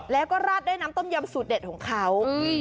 แล้วก็ราดด้วยน้ำต้มยำสูตรเด็ดของเขา